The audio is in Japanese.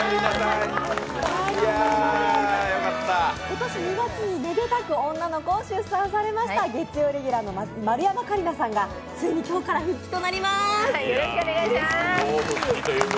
今年２月にめでたく女の子を出産されました月曜レギュラーの丸山桂里奈さんがついに今日から復帰となります。